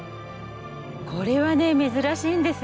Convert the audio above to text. これはね珍しいんですよ。